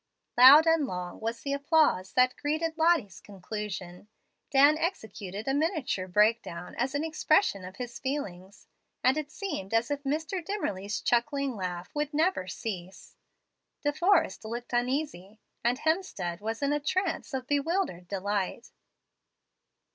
Loud and long was the applause that greeted Lottie's conclusion. Dan executed a miniature breakdown as an expression of his feelings, and it seemed as if Mr. Dimmerly's chuckling laugh would never cease. De Forrest looked uneasy, and Hemstead was in a trance of bewildered delight.